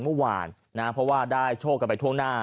เมื่อวานนะเพราะว่าได้โชคกันไปท่วงหน้า